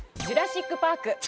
「ジュラシック・パーク」